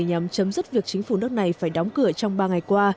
nhằm chấm dứt việc chính phủ nước này phải đóng cửa trong ba ngày qua